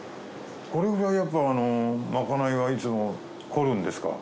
これくらいまかないはいつも凝るんですか？